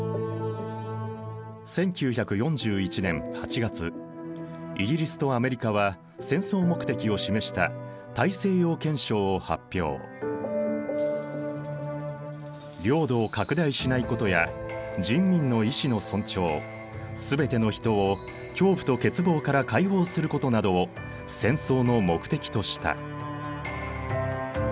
１９４１年８月イギリスとアメリカは戦争目的を示した領土を拡大しないことや人民の意思の尊重全ての人を恐怖と欠乏から解放することなどを戦争の目的とした。